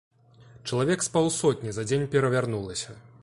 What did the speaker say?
Чалавек з паўсотні за дзень перавярнулася.